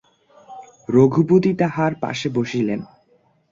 রঘুপতি তাঁহার পাশে বসিলেন।